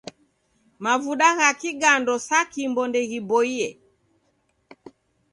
Mavuda gha kigando sa Kimbo ndeghiboie.